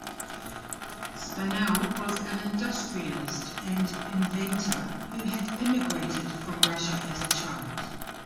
Spanel was an industrialist and inventor who had immigrated from Russia as a child.